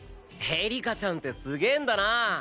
エリカちゃんってすげえんだな。